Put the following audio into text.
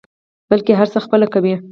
بلکې هر څه خپله کوي.